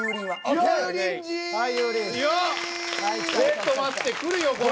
ちょっと待って来るよこれ。